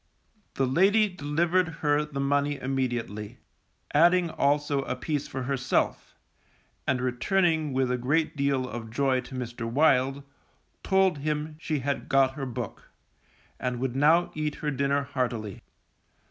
The lady delivered her the money immediately, adding also a piece for herself, and returning with a great deal of joy to Mr. Wild, told him she had got her book, and would now eat her dinner heartily.